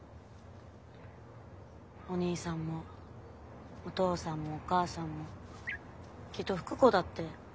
お兄さんもお父さんもお母さんもきっと福子だって。